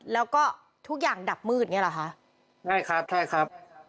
แล้วก็ทุกอย่างดับมืดอย่างเงี้เหรอคะใช่ครับใช่ครับ